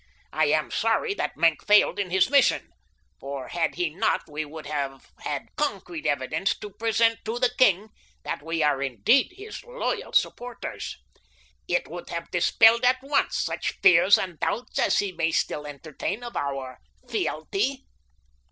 I am sorry that Maenck failed in his mission, for had he not we would have had concrete evidence to present to the king that we are indeed his loyal supporters. It would have dispelled at once such fears and doubts as he may still entertain of our fealty."